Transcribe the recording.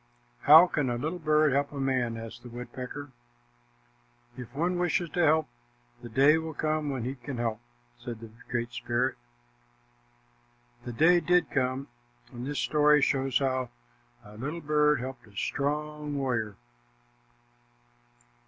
"How can a little bird help a man?" asked the woodpecker. "If one wishes to help, the day will come when he can help," said the Great Spirit. The day did come, and this story shows how a little bird helped a strong warrior.